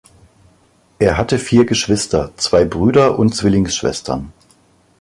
Er hatte vier Geschwister, zwei Brüder und Zwillingsschwestern.